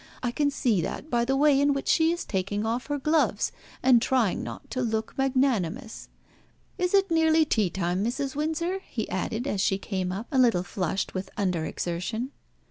I can see that by the way in which she is taking off her gloves and trying not to look magnanimous. Is it nearly tea time, Mrs. Windsor?" he added, as she came up, a little flushed with under exertion.